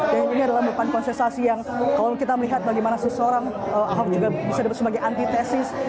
dan ini adalah bukan konsesasi yang kalau kita melihat bagaimana seseorang ahok juga bisa diberi sebagai antitesis